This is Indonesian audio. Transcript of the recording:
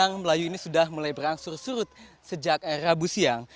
kawasan melayu ini sudah mulai berangsur surut sejak rabu siang